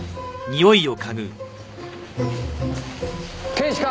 検視官！